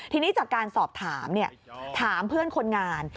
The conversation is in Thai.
ทีนี้จากการสอบถามถามเพื่อนคนงาน